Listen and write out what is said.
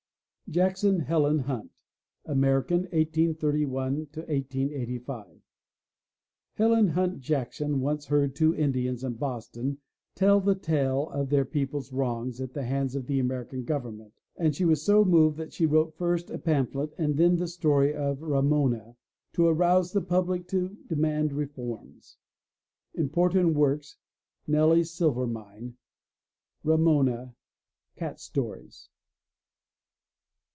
JACKSON, HELEN HUNT (American, 1831 1885) Helen Hunt Jackson once heard two Indians in Boston tell the tale of their people's wrongs at the hands of the American govern ment and she was so moved that she wrote first a pamphlet and then the story of Ramona to arouse the public to demand reforms. Important Works: Nelly's Silver Mine. Ramona. Cat Stories.